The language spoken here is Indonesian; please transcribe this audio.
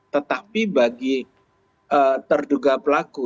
tetapi bagi terduga pelaku